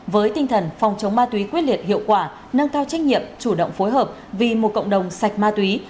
với tinh thần phòng chống ma túy quyết liệt hiệu quả nâng cao trách nhiệm chủ động phối hợp vì một cộng đồng sạch ma túy